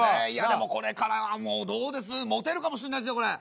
でもこれからはもうどうですモテるかもしんないですよこれ。